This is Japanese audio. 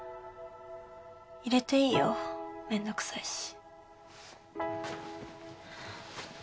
入れていいよめんどくさいし。